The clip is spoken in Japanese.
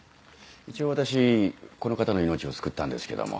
一応私この方の命を救ったんですけども。